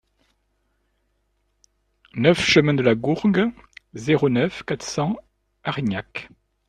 neuf chemin de la Gourgue, zéro neuf, quatre cents Arignac